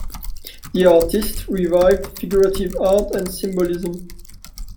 The artists revived figurative art and symbolism.